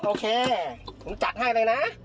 โอเคผมจัดให้เลยนะ